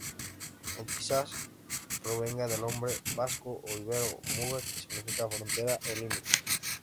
O quizás provenga del nombre vasco o ibero "muga", que significa frontera o límite.